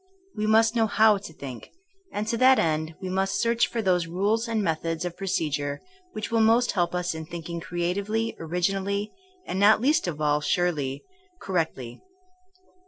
We must know how to think, and to that end we must search for those rules and methods of procedure which will most help us in thinking creatively, originally, and not least of all surely, correctly.